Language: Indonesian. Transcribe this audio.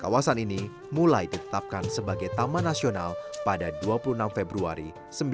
kawasan ini mulai ditetapkan sebagai taman nasional pada dua puluh enam februari seribu sembilan ratus empat puluh lima